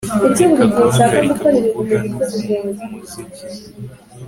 Reka guhagarika kuvuga no kumva umuziki